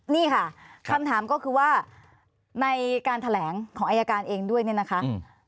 นี่ค่ะคำถามก็คือว่าในการแถลงของอายการเองด้วยเนี่ยนะคะ